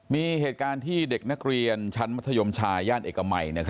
มีเหตุการณ์ที่เด็กนักเรียนชั้นมัธยมชาย่านเอกมัย